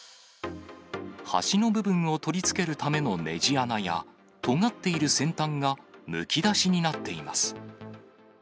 端の部分を取り付けるためのねじ穴や、とがっている先端がむき出しになっています。